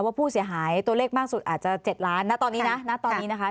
ว่าผู้เสียหายตัวเลขมากสุดอาจจะ๗ล้านณตอนนี้นะ